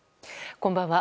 こんばんは。